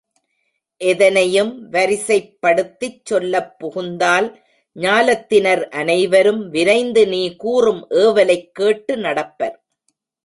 எதனையும் வரிசைப்படுத்திச் சொல்லப் புகுந்தால் ஞாலத்தினர் அனைவரும் விரைந்து நீ கூறும் ஏவலைக் கேட்டு நடப்பர்.